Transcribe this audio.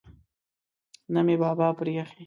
نه مې بابا پریښی.